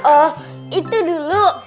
oh itu dulu